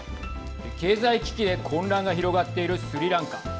経済危機で混乱が広がっているスリランカ。